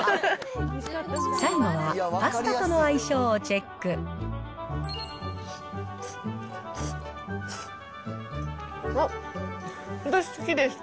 最後は、パスタとの相性をチ私好きです。